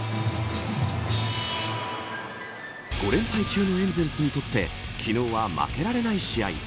５連敗中のエンゼルスにとって昨日は負けられない試合。